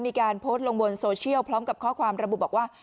มีการโพสต์ลงบนโซเชียลพร้อมกับข้อความระบุบอกว่า